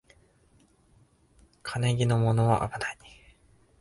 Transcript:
金気のものはあぶない